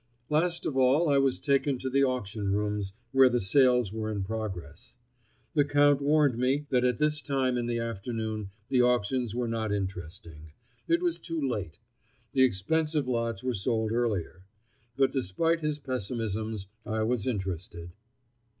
Last of all I was taken to the auction rooms, where the sales were in progress. The Count warned me that at this time in the afternoon the auctions were not interesting. It was too late. The expensive lots were sold earlier. But despite his pessimisms, I was interested.